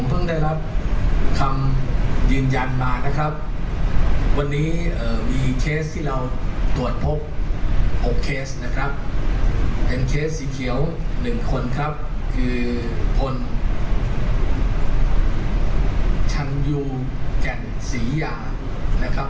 แรกที่จะกำลังค้นชันยูแก่นสีหยา